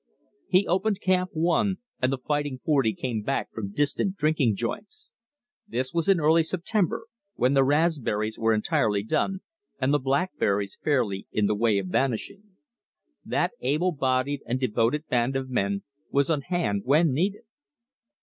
He opened Camp One, and the Fighting Forty came back from distant drinking joints. This was in early September, when the raspberries were entirely done and the blackberries fairly in the way of vanishing. That able bodied and devoted band of men was on hand when needed.